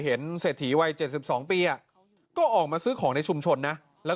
เศรษฐีวัย๗๒ปีก็ออกมาซื้อของในชุมชนนะแล้ว